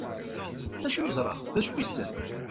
D acu i yeẓra? D acu yessen?